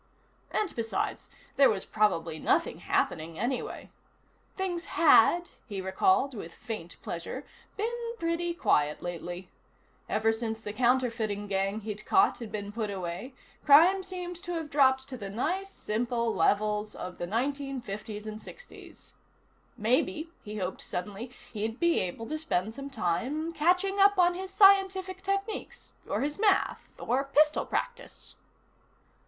And, besides, there was probably nothing happening anyway. Things had, he recalled with faint pleasure, been pretty quiet lately. Ever since the counterfeiting gang he'd caught had been put away, crime seemed to have dropped to the nice, simple levels of the 1950's and '60's. Maybe, he hoped suddenly, he'd be able to spend some time catching up on his scientific techniques, or his math, or pistol practice....